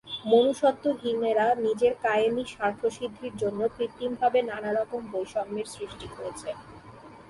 মনুষ্যত্বহীনেরা নিজের কায়েমি স্বার্থসিদ্ধির জন্য কৃত্রিমভাবে নানা রকম বৈষম্যের সৃষ্টি করেছে।